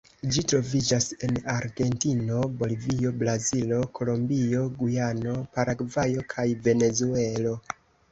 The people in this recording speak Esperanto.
Ĝi troviĝas en Argentino, Bolivio, Brazilo, Kolombio, Gujano, Paragvajo, kaj Venezuelo.